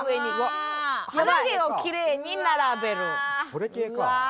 それ系か。